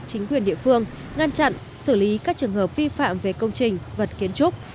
chính quyền địa phương ngăn chặn xử lý các trường hợp vi phạm về công trình vật kiến trúc